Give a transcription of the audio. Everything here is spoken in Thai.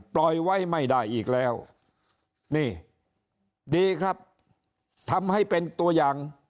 ปล่อยไว้ไม่ได้อีกแล้วนี่ดีครับทำให้เป็นตัวอย่าง